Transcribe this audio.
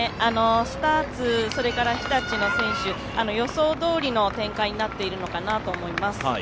スターツ、日立の選手、予想どおりの展開になっているのかなと思います。